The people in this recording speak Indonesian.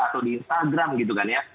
atau di instagram gitu kan ya